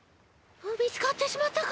みつかってしまったか！